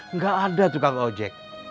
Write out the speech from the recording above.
nggak ada tuh kakak ojek